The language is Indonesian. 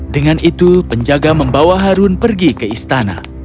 dengan itu penjaga membawa harun pergi ke istana